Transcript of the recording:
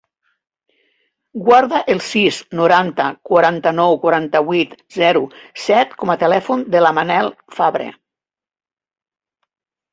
Guarda el sis, noranta, quaranta-nou, quaranta-vuit, zero, set com a telèfon de la Manal Fabre.